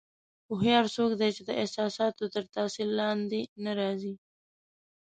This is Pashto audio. هوښیار څوک دی چې د احساساتو تر تاثیر لاندې نه راځي.